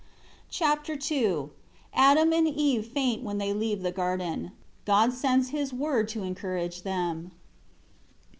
Chapter II Adam and Eve faint when they leave the Garden. God sends His Word to encourage them.